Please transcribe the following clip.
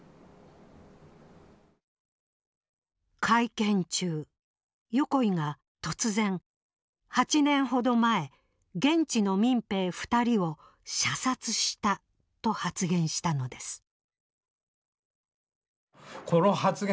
会見中横井が突然「８年ほど前現地の民兵２人を射殺した」と発言したのです。